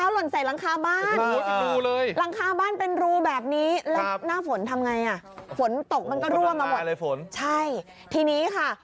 แล้ววันนี้ดีดี